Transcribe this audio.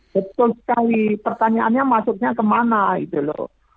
betul sekali pertanyaannya masuknya kemana gitu loh